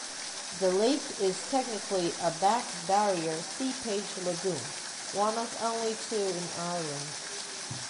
The lake is technically a back-barrier seepage lagoon, one of only two in Ireland.